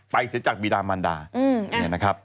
เสียจากบีดามันดาเนี่ยนะครับ